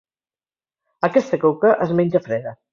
Aquesta coca es menja freda.